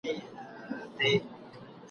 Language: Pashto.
په لمنو کي د غرونو بس جونګړه کړو ودانه ..